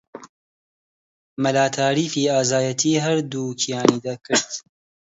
مەلا تاریفی ئازایەتیی هەردووکیانی دەکرد